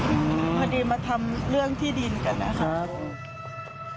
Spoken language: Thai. พอดีมาทำเรื่องที่ดินกันนะครับ